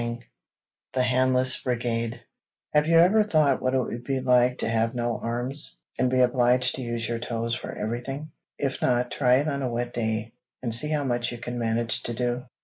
_] THE HANDLESS BRIGADE Have you ever thought what it would be like to have no arms, and be obliged to use your toes for everything? If not, try it on a wet day, and see how much you can manage to do.